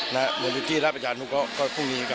ในวิทยุทธิรับอาจารย์ก็พรุ่งนี้ครับ